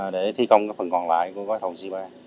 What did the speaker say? để thi công phần còn lại của gói thầu c ba